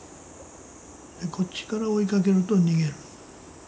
こっちから追いかけると逃げる。